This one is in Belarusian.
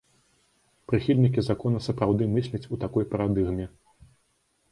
Прыхільнікі закона сапраўды мысляць у такой парадыгме.